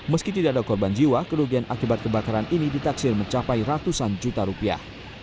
meski tidak ada korban jiwa kerugian akibat kebakaran ini ditaksir mencapai ratusan juta rupiah